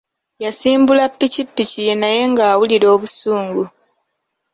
Yasimbula pikipiki ye naye nga awulira obusungu.